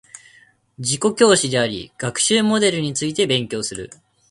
自己教師あり学習モデルについて勉強する